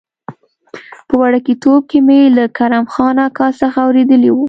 په وړکتوب کې مې له کرم خان اکا څخه اورېدلي و.